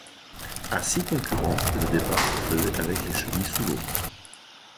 À six concurrents, le départ se faisait avec les chevilles sous l'eau.